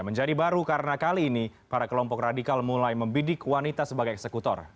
menjadi baru karena kali ini para kelompok radikal mulai membidik wanita sebagai eksekutor